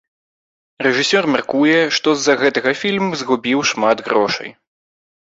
Рэжысёр мяркуе, што з-за гэтага фільм згубіў шмат грошай.